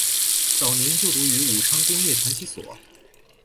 早年就读于武昌工业传习所。